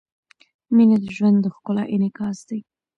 • مینه د ژوند د ښکلا انعکاس دی.